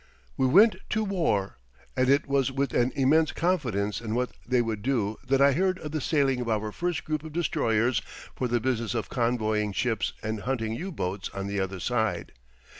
We went to war; and it was with an immense confidence in what they would do that I heard of the sailing of our first group of destroyers for the business of convoying ships and hunting U boats on the other side.